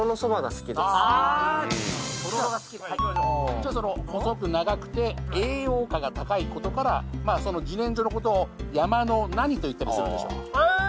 じゃあその細く長くて栄養価が高い事からその自然薯の事を山の何と言ったりするでしょう？